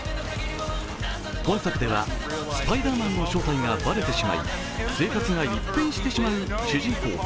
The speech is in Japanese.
今作ではスパイダーマンの正体がばれてしまい生活が一変してしまう主人公